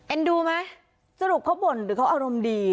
ดูไหมสรุปเขาบ่นหรือเขาอารมณ์ดี